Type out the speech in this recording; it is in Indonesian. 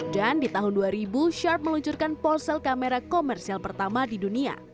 dan di tahun dua ribu sharp meluncurkan ponsel kamera komersial pertama di dunia